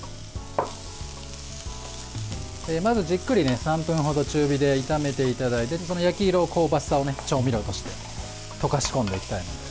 まずじっくり、３分ほど中火で炒めていただいて焼き色を、香ばしさを調味料として溶かし込んでいきたいので。